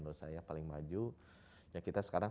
menurut saya paling maju ya kita sekarang